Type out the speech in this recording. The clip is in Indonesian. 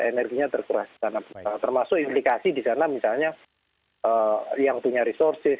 energinya terkurasi sangat banyak termasuk indikasi di sana misalnya yang punya resources